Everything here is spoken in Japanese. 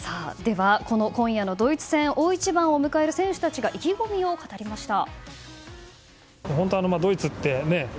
では、今夜のドイツ戦大一番を迎える選手たちが意気込みを語りました。